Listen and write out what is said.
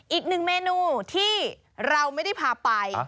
อีกหนึ่งเมนูที่เราไม่ได้พาไป